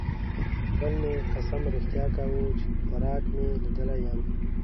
بل مې قسم رښتیا کاوه چې پراګ مې لیدلی یم.